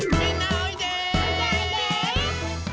おいでおいで！